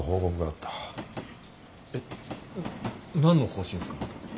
えっ何の方針すか？